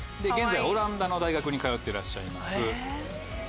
現在オランダの大学に通ってらっしゃいます。